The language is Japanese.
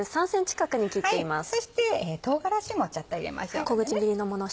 そして唐辛子もちょっと入れましょうね。